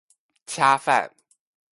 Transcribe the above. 恰饭